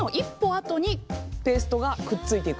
あとにペーストがくっついていくような。